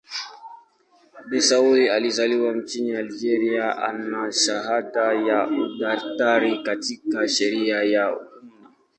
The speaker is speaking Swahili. Bensaoula alizaliwa nchini Algeria na ana shahada ya udaktari katika sheria ya umma.